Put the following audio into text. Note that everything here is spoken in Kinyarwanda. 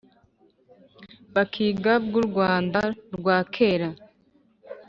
Bakiga bw u Rwanda rwa kera